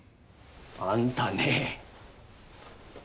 あんたね